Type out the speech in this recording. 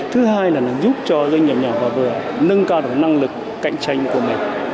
thứ hai là nó giúp cho doanh nghiệp nhỏ và vừa nâng cao được năng lực cạnh tranh của mình